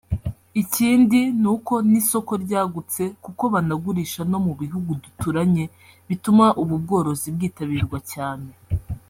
Ikindi ni uko n’isoko ryagutse kuko banagurisha no mu bihugu duturanye bituma ubu bworozi bwitabirwa cyane